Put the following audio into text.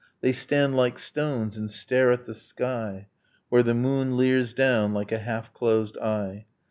They stand like stones and stare at the sky Where the moon leers down like a half closed eye.